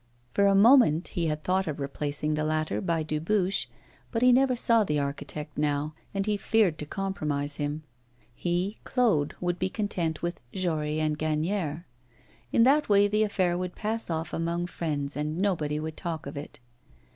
For a moment he had thought of replacing the latter by Dubuche, but he never saw the architect now, and he feared to compromise him. He, Claude, would be content with Jory and Gagnière. In that way the affair would pass off among friends, and nobody would talk of it.